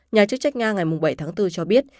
nhà chức trách nga ngày bảy tháng bốn cho biết